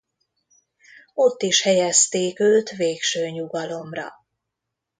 Ott is helyezték őt végső nyugalomra.